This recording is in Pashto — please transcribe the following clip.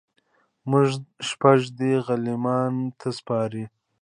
موږ شهپر دی غلیمانو ته سپارلی